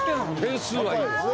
点数はいいですね。